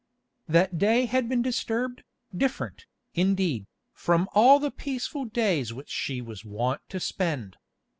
That day had been disturbed, different, indeed, from all the peaceful days which she was wont to spend.